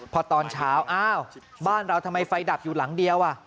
พอตอนเช้าอ้าวบ้านเราทำไมไฟดับอยู่หลังเดียว